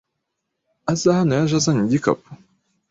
Aza hano yaje azanye igikapu?